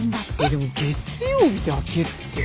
でも月曜日だけって。